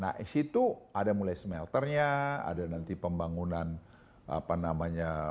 nah di situ ada mulai smelternya ada nanti pembangunan apa namanya